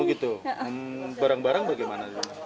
oh gitu barang barang bagaimana